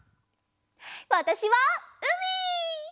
わたしはうみ！